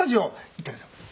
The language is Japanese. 行ったんですよ。